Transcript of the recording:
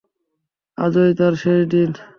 আজই তার শেষ দিন।